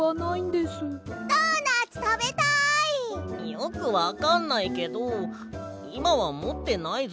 よくわかんないけどいまはもってないぞ。